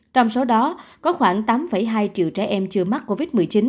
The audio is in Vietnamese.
trong số đó có khoảng tám hai triệu trẻ em chưa mắc covid một mươi chín